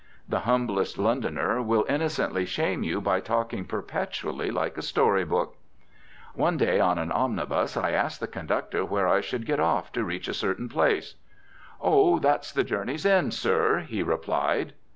The humblest Londoner will innocently shame you by talking perpetually like a storybook. One day on an omnibus I asked the conductor where I should get off to reach a certain place. "Oh, that's the journey's end, sir," he replied.